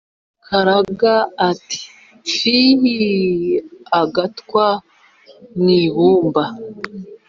karaga ati pfiiii !!!!-agatwa mu ibumba.